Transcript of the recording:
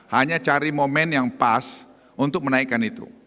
hanya cari momen yang pas untuk menaikkan itu